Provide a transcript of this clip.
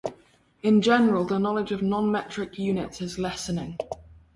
In general, the knowledge of non-metric units is lessening.